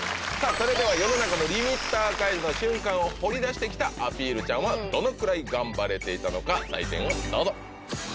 それでは世の中のリミッター解除瞬間を掘り出してきたアピールちゃんはどのくらい頑張れていたのか採点をどうぞ！